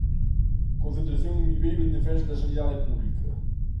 Concentración en Viveiro en defensa da sanidade pública.